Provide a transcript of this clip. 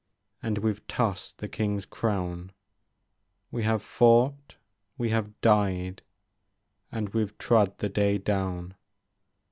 And we 've tossed the King's crown ; We have fought, we have died. And we 've trod the day down.